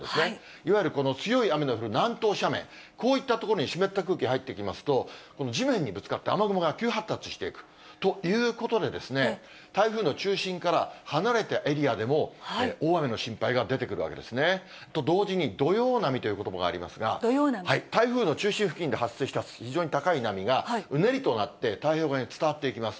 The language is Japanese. いわゆる強い雨の降る南東斜面、こういった所に湿った空気入ってきますと、地面にぶつかって雨雲が急発達していくということでですね、台風の中心から離れたエリアでも、大雨の心配が出てくるわけですね。と同時に、土用波ということばがありますが、台風の中心付近で発生した非常に高い波が、うねりとなって太平洋側に伝わっていきます。